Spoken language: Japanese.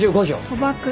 賭博。